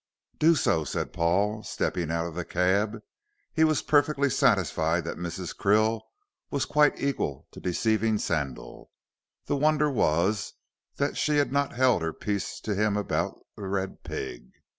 "Do so," said Paul, stepping out of the cab. He was perfectly satisfied that Mrs. Krill was quite equal to deceiving Sandal. The wonder was, that she had not held her peace to him about "The Red Pig."